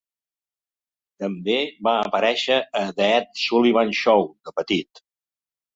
També va aparèixer a "The Ed Sullivan Show" de petit.